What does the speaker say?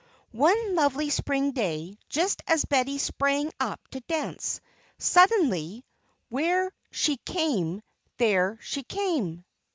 One lovely Spring day, just as Betty sprang up to dance, suddenly where she came, there she came!